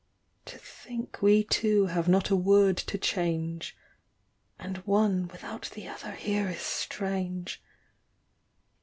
To think we two have not a word to change : And one without the other here is strange